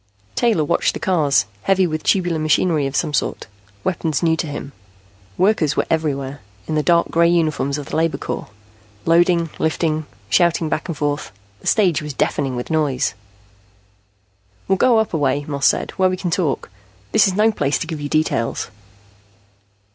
Taylor watched the cars, heavy with tubular machinery of some sort, weapons new to him. Workers were everywhere, in the dark gray uniforms of the labor corps, loading, lifting, shouting back and forth. The stage was deafening with noise. "We'll go up a way," Moss said, "where we can talk. This is no place to give you details."